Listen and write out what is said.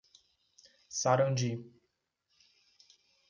Sarandi